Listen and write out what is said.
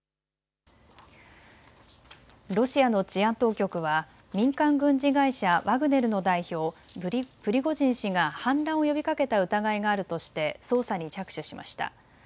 ロシアの治安当局は民間軍事会社、ワグネルの代表、プリゴジン氏が反乱を呼びかけた疑いがあるとして捜査に着手しました。